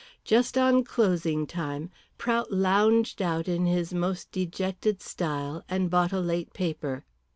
Just on closing time Prout lounged out in his most dejected style, and bought a late paper.